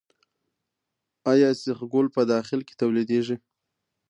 آیا سیخ ګول په داخل کې تولیدیږي؟